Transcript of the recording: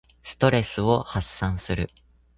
ストレスを発散する。